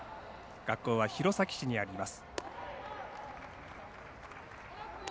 学校は弘前市にあります。